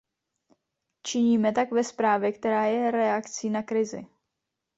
Činíme tak ve zprávě, která je reakcí na krizi.